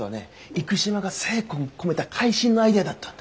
生島がせいこん込めた会心のアイデアだったんだ。